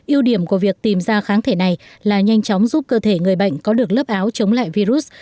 yêu điểm của việc tìm ra kháng thể này là nhanh chóng giúp cơ thể người bệnh có được lớp áo chống lại virus